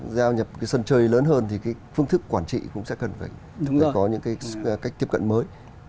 giao nhập cái sân chơi lớn hơn thì cái phương thức quản trị cũng sẽ cần phải có những cái cách tiếp cận mới